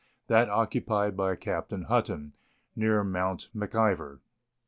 that occupied by Captain Hutton, near Mount Mclvor.